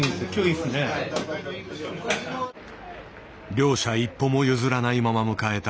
両者一歩も譲らないまま迎えた